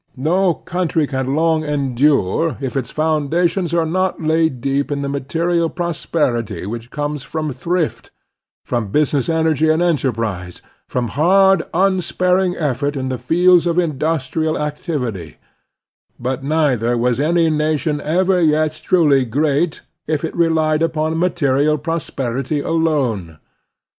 No country can long lo The Strenuous Life endure if its foundations are not laid deep in the material prosperity which comes from thrift, from business energy and enterprise, from hard, un sparing effort in the fields of industrial activity; but neither was any nation ever yet truly great if it relied upon material prosperity alone.